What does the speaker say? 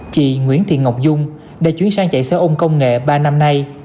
chị nguyễn thiên ngọc dung đã chuyển sang chạy xe ôn công nghệ ba năm nay